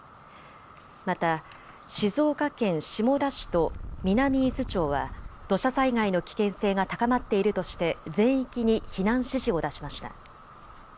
また静岡県下田市と南伊豆町は土砂災害の危険性が高まっているとして全域に避難指示を出しました。